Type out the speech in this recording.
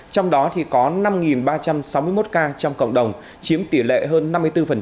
trong đó có năm ba trăm sáu mươi một ca trong cộng đồng chiếm tỷ lệ hơn năm mươi bốn